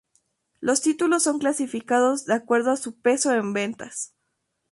Los títulos son clasificados de acuerdo a su 'peso' en ventas.